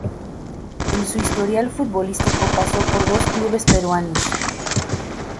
En su historial futbolístico pasó por dos clubes peruanos.